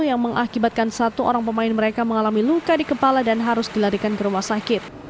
yang mengakibatkan satu orang pemain mereka mengalami luka di kepala dan harus dilarikan ke rumah sakit